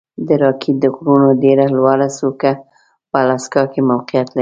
د راکي د غرونو ډېره لوړه څوکه په الاسکا کې موقعیت لري.